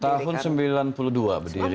tahun sembilan puluh dua berdiri